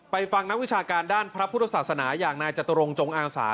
ฟังนักวิชาการด้านพระพุทธศาสนาอย่างนายจตุรงจงอาสา